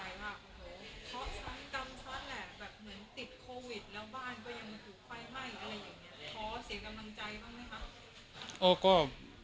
อะไรอย่างนี้ทอเสียกำลังใจบ้างมั้ยครับ